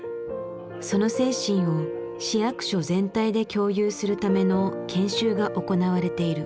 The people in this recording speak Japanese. その精神を市役所全体で共有するための研修が行われている。